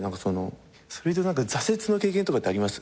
挫折の経験とかってあります？